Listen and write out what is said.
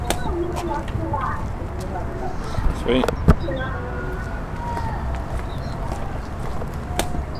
只有那些共享这个共同背景的人们才会有恰如其分的反应。